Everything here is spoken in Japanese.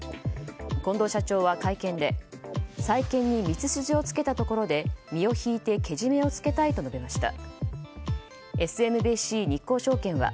近藤社長は会見で再建に道筋をつけたところで身を引いてけじめをつけたいと述べました。